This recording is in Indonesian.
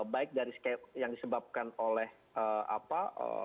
baik dari yang disebabkan oleh apa